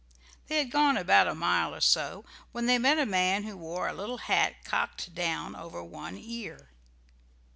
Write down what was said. They had gone but a mile or so when they met a man who wore a little hat cocked down over one ear.